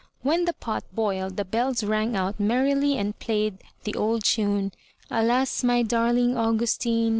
When the pot boiled the bells rang out merrily and played the old tune: — "A/fls, my darling Augustine!